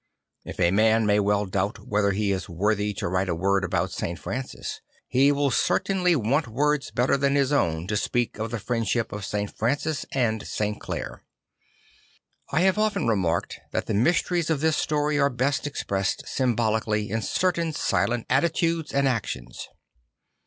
If a man may well doubt whether he is worthy to write a word about St. Francis, he \vill certainly want words better than his own to speak of the friendship of St. Francis and St. Clare. I have often remarked that the mysteries of this story are best expressed symbolically in certain silent attitudes and actions.